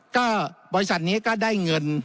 ก็บริษัทนี้ก็ได้เงิน